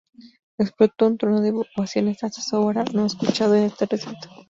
Explotó un trueno de ovaciones, hasta ahora no escuchado en este recinto.